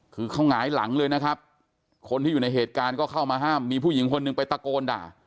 คือเขาหงายหลังเลยนะครับคนที่อยู่ในเหตุการณ์ก็เข้ามาห้ามมีผู้หญิงคนหนึ่งไปตะโกนด่า